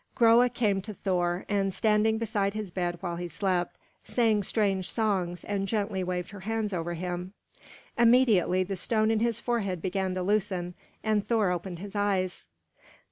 Groa came to Thor and, standing beside his bed while he slept, sang strange songs and gently waved her hands over him. Immediately the stone in his forehead began to loosen, and Thor opened his eyes.